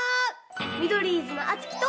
ミドリーズのあつきと。